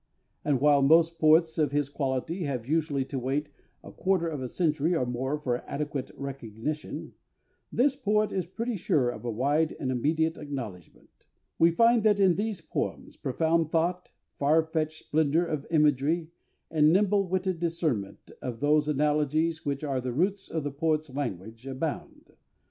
And while most poets of his quality have usually to wait a quarter of a century or more for adequate recognition, this poet is pretty sure of a wide and immediate acknowledgement.... We find that in these poems profound thought, far fetched splendour of imagery, and nimble witted discernment of those analogies which are the roots of the poet's language, abound